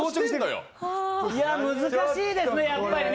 難しいですね、やっぱりね。